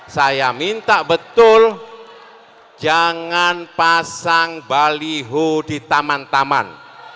saya minta betul jangan pasang baliho di taman taman